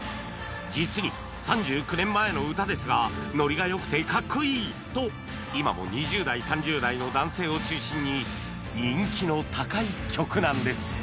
実に３９年前の歌ですが「ノリが良くてかっこいい！」と今も２０代３０代の男性を中心に人気の高い曲なんです